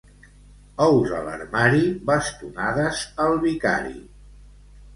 Ous a l'armari, bastonades al vicari.